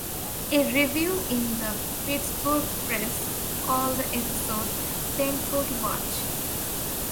A review in "The Pittsburgh Press" called the episode "painful" to watch.